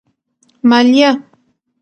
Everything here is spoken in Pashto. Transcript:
مالیه